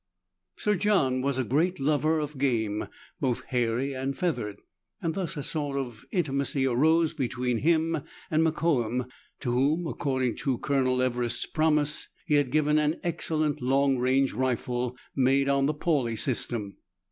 Sir John was a great lover of game, both hairy and feathered, and thus a sort of inti macy arose between him and Mokoum, to whom, according to Colonel Everest's promise, he had given an excellent long range rifle, made on the Pauly system.